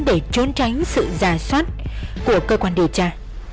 để trốn tránh sự giả soát của cơ quan điều tra